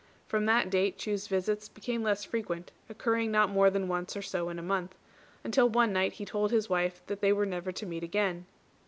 From that date Chu's visits became less frequent, occurring not more than once or so in a month; until one night he told his wife that they were never to meet again.